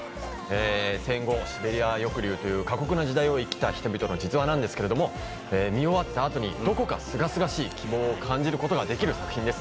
戦後シベリア抑留を過酷に生きた人たちですが見終わったあとにどこかすがすがしい希望を感じることができる作品です。